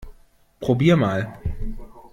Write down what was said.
Probier mal!